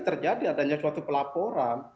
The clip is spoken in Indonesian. terjadi adanya suatu pelaporan